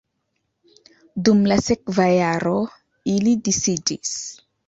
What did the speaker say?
Dum la sekva jaro ili disiĝis.